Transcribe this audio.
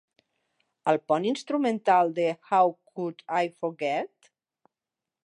El pont instrumental de "How Could I Forget"?